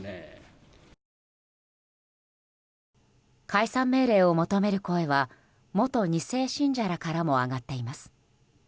解散命令を求める声は元２世信者らからも上がっています。